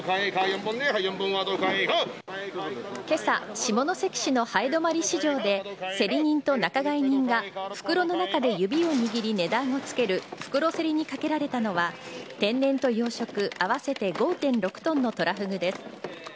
けさ、下関市の南風泊市場で、競り人と仲買人が袋の中で指を握り、値段をつける袋競りにかけられたのは、天然と養殖、合わせて５．６トンのトラフグです。